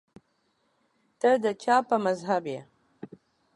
ته د چا په مذهب یې